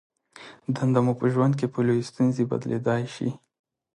دنده مو په ژوند کې په لویې ستونزه بدلېدای شي.